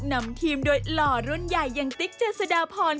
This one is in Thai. นำทีมโดยหล่อรุ่นใหญ่อย่างติ๊กเจษฎาพร